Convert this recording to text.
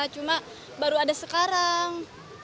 cuma baru ada sekarang